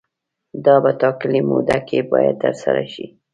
دا په ټاکلې موده کې باید ترسره شي.